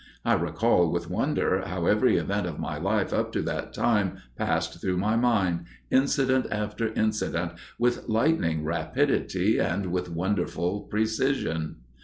I recall, with wonder, how every event of my life up to that time passed through my mind, incident after incident, with lightning rapidity, and with wonderful precision.